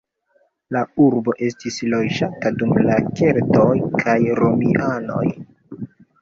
La urbo estis loĝata dum la keltoj kaj romianoj.